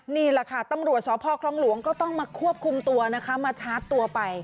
นี่ละค่ะตำรวจสภพครองหลวงก็ต้องมาควบคุมตัวนะคะ